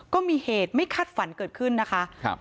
ก็มีเหตุไม่คาดฝันเกิดขึ้นนะคะ